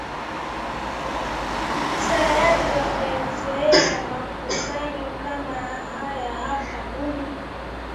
tayari wamezoea makusanyo kama haya Hapa kuna